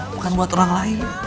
bukan buat orang lain